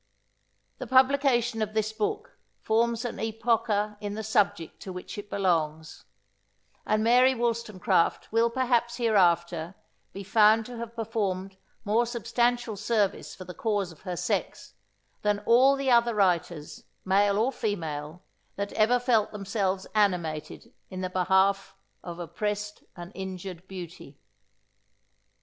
The publication of this book forms an epocha in the subject to which it belongs; and Mary Wollstonecraft will perhaps hereafter be found to have performed more substantial service for the cause of her sex, than all the other writers, male or female, that ever felt themselves animated in the behalf of oppressed and injured beauty.